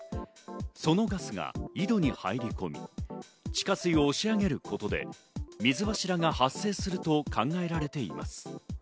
そのガスが井戸に入り込み、地下水を押し上げることで水柱が発生すると考えられています。